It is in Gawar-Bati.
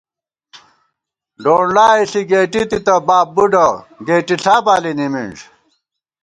ڈونڈلائےݪی گېٹی تِتہ باب بُوڈہ، گېٹݪا بالی نِمِنݮ